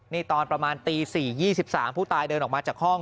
นี่ตอนประมาณตี๔๒๓ผู้ตายเดินออกมาจากห้อง